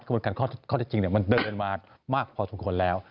กระบวนการข้อเท็จจริงมันเดินมามากพอสมควรแล้ว